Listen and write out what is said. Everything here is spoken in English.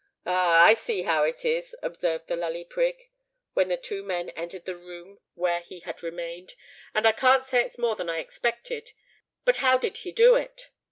"Ah! I see how it is," observed the Lully Prig, when the two men entered the room where he had remained; "and I can't say it's more than I expected. But how did he do it?"